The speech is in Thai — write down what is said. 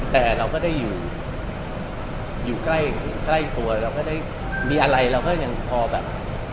แต่เราก็ได้อยู่ใกล้ตัวเราก็ได้มีอะไรเราก็อย่างพอแบบ